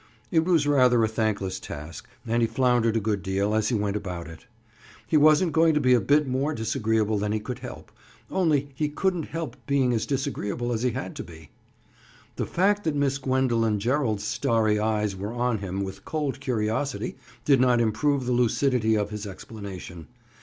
It was rather a thankless task and he floundered a good deal as he went about it. He wasn't going to be a bit more disagreeable than he could help, only he couldn't help being as disagreeable as he had to be. The fact that Miss Gwendoline Gerald's starry eyes were on him with cold curiosity did not improve the lucidity of his explanation.